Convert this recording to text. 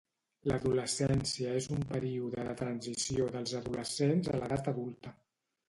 L'adolescència és un període de transició dels adolescents a l'edat adulta.